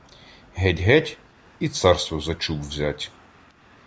Геть, геть — і царство за чуб взять.